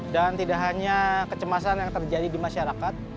dan tidak hanya kecemasan yang terjadi di masyarakat